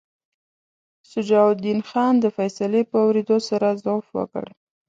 شجاع الدین خان د فیصلې په اورېدو سره ضعف وکړ.